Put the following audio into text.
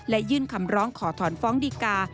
และยื่นคำร้องขอถอนฟ้องดีกา